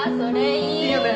いいよね。